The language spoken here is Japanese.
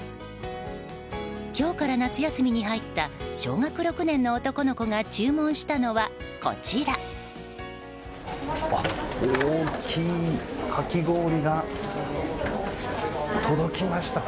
今日から夏休みに入った小学６年の男の子が大きいかき氷が届きました。